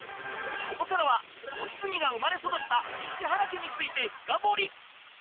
ここからは良純が生まれ育った石原家について深掘り！